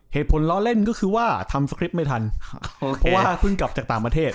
ล้อเล่นก็คือว่าทำสคริปต์ไม่ทันเพราะว่าเพิ่งกลับจากต่างประเทศ